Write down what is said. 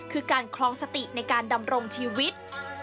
คือการคลองสติในการดำรงชีวิต